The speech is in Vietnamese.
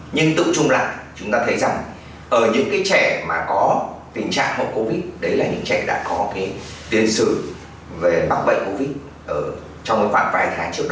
nhưng tụng chung lại chúng ta thấy rằng ở những cái trẻ mà có tình trạng hậu covid đấy là những trẻ đã có cái tiền sử về bắt bệnh covid ở trong khoảng vài tháng trước đó